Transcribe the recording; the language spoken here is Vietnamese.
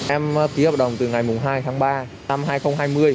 em ký hợp đồng từ ngày hai tháng ba năm hai nghìn hai mươi